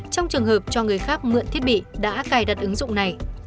trong trường hợp cho người khác mượn thiết bị đã cài đặt ứng dụng này